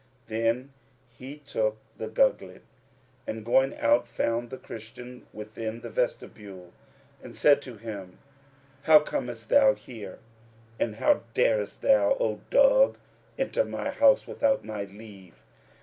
Then he took the gugglet and, going out, found the Christian within the vestibule and said to him, "How comest thou here and how darest thou, O dog, enter my house without my leave?"